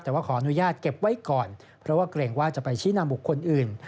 แต่ว่าขออนุญาตเก็บไว้ก่อนเพราะว่าเกรงว่าจะไปชี้นำบุคคลอื่น